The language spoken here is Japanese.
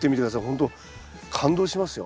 ほんと感動しますよ。